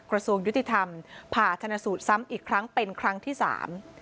กระทรวงยุติธรรมผ่าชนสูตรซ้ำอีกครั้งเป็นครั้งที่สาม